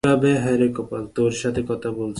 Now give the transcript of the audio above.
তোর সাথে কথা বলছি না।